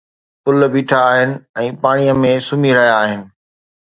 پل بيٺا آهن ۽ پاڻيءَ ۾ سمهي رهيا آهن